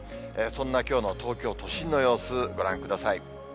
そんなきょうの東京都心の様子、ご覧ください。